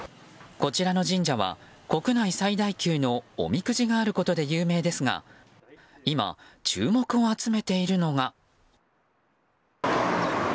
こちらの神社は、国内最大級のおみくじがあることで有名ですが今、注目を集めているのが。